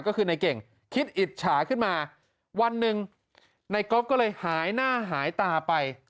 ก็คือในเก่งคิดอิจฉาขึ้นมาวันหนึ่งในก๊อฟก็เลยหายหน้าหายตาไป